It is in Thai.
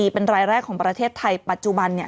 เป็นรายแรกของประเทศไทยปัจจุบัน